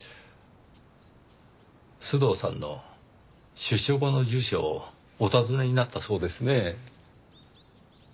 須藤さんの出所後の住所をお尋ねになったそうですね？